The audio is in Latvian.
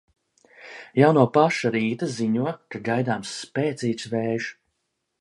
Jau no paša rīta ziņo, ka gaidāms spēcīgs vējš.